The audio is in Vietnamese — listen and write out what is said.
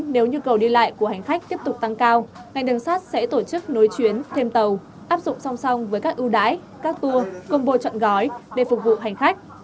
nếu nhu cầu đi lại của hành khách tiếp tục tăng cao ngành đường sắt sẽ tổ chức nối chuyến thêm tàu áp dụng song song với các ưu đái các tour công bố chọn gói để phục vụ hành khách